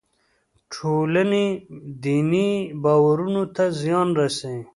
ټولنې دیني باورونو ته زیان رسوي.